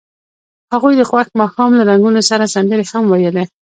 هغوی د خوښ ماښام له رنګونو سره سندرې هم ویلې.